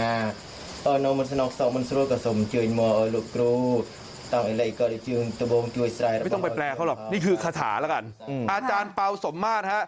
อาจารย์เป่าสมมาตรฮะ